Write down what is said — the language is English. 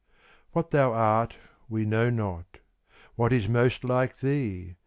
What thou art we know not; What is most like thee?